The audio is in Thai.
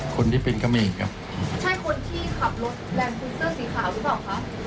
คนที่เป็นเขมรครับใช่คนที่ขับรถแลนด์ฟูเซอร์สีขาวหรือเปล่าคะ